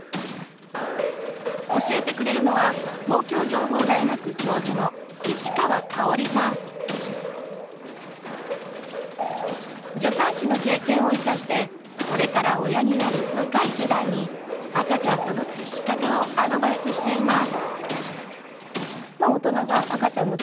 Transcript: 教えてくれるのは助産師の経験を生かしてこれから親になる若い世代に赤ちゃんとの接し方をアドバイスしています。